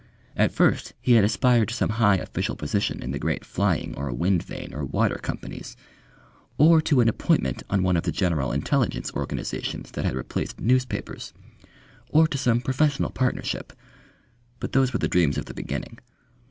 At first he had aspired to some high official position in the great Flying or Wind Vane or Water Companies, or to an appointment on one of the General Intelligence Organisations that had replaced newspapers, or to some professional partnership, but those were the dreams of the beginning.